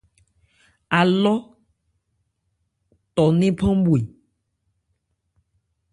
Alɔ 'tɔ ńnephan bhwe.